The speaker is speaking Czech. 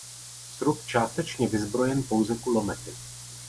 Srub částečně vyzbrojen pouze kulomety.